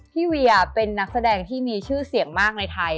เวียเป็นนักแสดงที่มีชื่อเสียงมากในไทย